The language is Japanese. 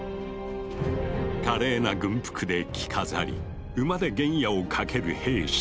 華麗な軍服で着飾り馬で原野を駆ける兵士たち。